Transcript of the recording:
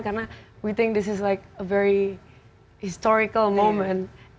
karena kita pikir ini adalah suatu saat yang sangat bersejarah